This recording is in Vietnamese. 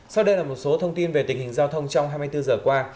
sau đây là một số thông tin về tình hình giao thông trong hai mươi bốn giờ qua